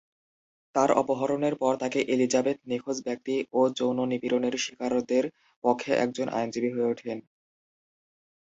তার অপহরণের পর থেকে এলিজাবেথ নিখোঁজ ব্যক্তি ও যৌন নিপীড়নের শিকারদের পক্ষে একজন আইনজীবী হয়ে ওঠেন।